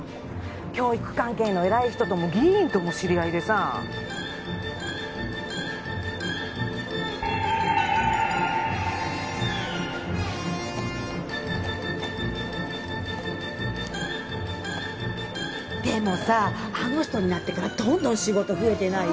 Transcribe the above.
教育関係の偉い人とも議員とも知り合いでさでもさあの人になってからどんどん仕事増えてない？